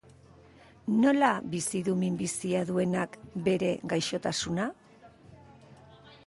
Nola bizi du minbizia duenak bere gaixotasuna?